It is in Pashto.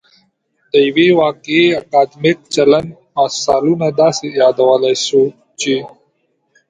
د یو واقعي اکادمیک چلند مثالونه داسې يادولای شو چې